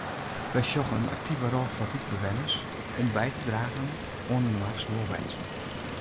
Wy sjogge in aktive rol foar wykbewenners om by te dragen oan inoars wolwêzen.